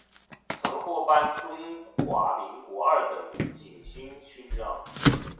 曾获颁中华民国二等景星勋章。